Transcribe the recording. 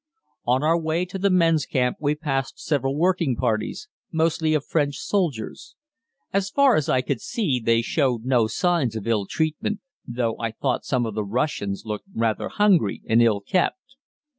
On our way to the men's camp we passed several working parties, mostly of French soldiers. As far as I could see, they showed no signs of ill treatment, though I thought some of the Russians looked rather hungry and ill kept.